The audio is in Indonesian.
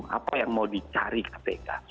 apa yang mau dicari kpk